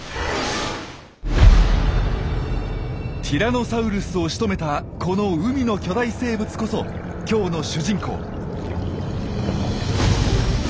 ティラノサウルスをしとめたこの海の巨大生物こそ今日の主人公。